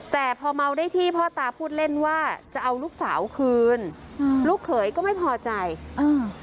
แต่พอเมาได้ที่พ่อตาพูดเล่นว่าจะเอาลูกสาวคืนอืมลูกเขยก็ไม่พอใจเออ